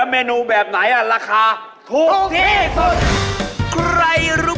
เมนูแบบไหนราคาถูกที่สุด